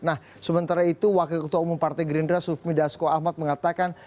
nah sementara itu wakil ketua umum partai gerindra sufmi dasko ahmad mengatakan